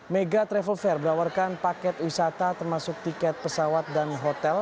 mega travel fair menawarkan paket wisata termasuk tiket pesawat dan hotel